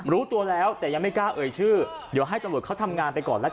รู้ตัวแล้วแต่ยังไม่กล้าเอ่ยชื่อเดี๋ยวให้ตำรวจเขาทำงานไปก่อนละกัน